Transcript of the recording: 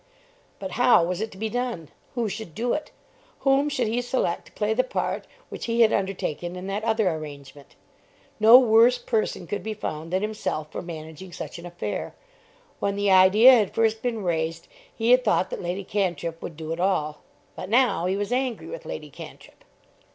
But how was it to be done? Who should do it? Whom should he select to play the part which he had undertaken in that other arrangement? No worse person could be found than himself for managing such an affair. When the idea had first been raised he had thought that Lady Cantrip would do it all; but now he was angry with Lady Cantrip.